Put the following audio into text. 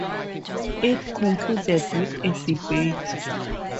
It concluded with a debate.